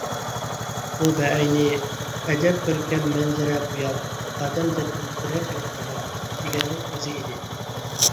بۇ بەئەينى، ئەجەب كۆركەم مەنزىرە بۇيان، ئادەمزاتتىن دېرەك يوق تامام، دېگەننىڭ ئۆزى ئىدى.